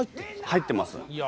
入ってます。